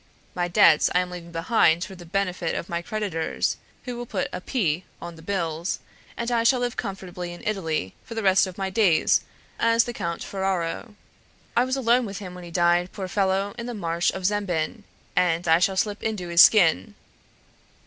My debts I am leaving behind for the benefit of my creditors, who will put a 'P' on the bills, and I shall live comfortably in Italy for the rest of my days as the Conte Ferraro. I was alone with him when he died, poor fellow, in the marsh of Zembin, and I shall slip into his skin....